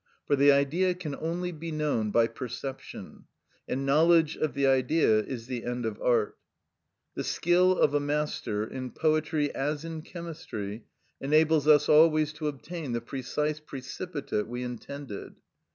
For the Idea can only be known by perception; and knowledge of the Idea is the end of art. The skill of a master, in poetry as in chemistry, enables us always to obtain the precise precipitate we intended.